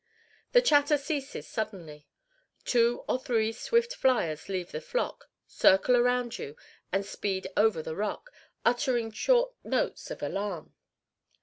The chatter ceases suddenly. Two or three swift fliers leave the flock, circle around you, and speed over the rock, uttering short notes of alarm.